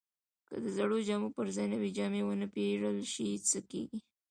که د زړو جامو پر ځای نوې جامې ونه پیرل شي، څه کیږي؟